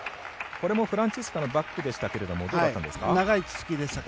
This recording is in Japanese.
これもフランツィスカのバックでしたけれどもどうだったんですか？